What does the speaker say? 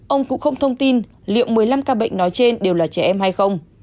ông cũng không thông tin liệu một mươi năm ca bệnh nói trên đều là trẻ em hay không